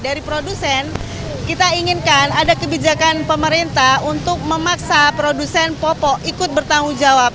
dari produsen kita inginkan ada kebijakan pemerintah untuk memaksa produsen popok ikut bertanggung jawab